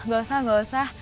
gak usah gak usah